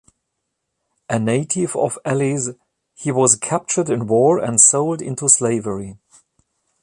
A native of Elis, he was captured in war and sold into slavery.